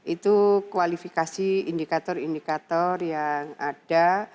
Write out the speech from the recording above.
itu kualifikasi indikator indikator yang ada